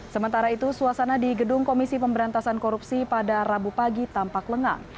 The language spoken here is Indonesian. sementara itu suasana di gedung komisi pemberantasan korupsi pada rabu pagi tampak lengang